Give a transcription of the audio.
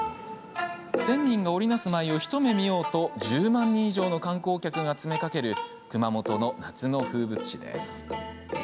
１０００人が織り成す舞いを一目見ようと、１０万人以上の観光客が詰めかける熊本の夏の風物詩です。